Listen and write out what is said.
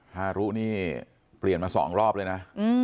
ฮารุนี่เปลี่ยนมา๒รอบเลยนะ